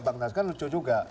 bang naz kan lucu juga